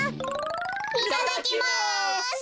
いただきます！